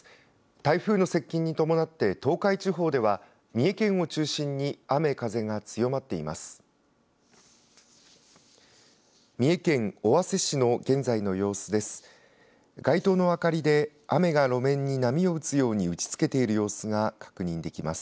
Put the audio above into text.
台風の接近に伴って東海地方では三重県を中心に雨風が強まっています。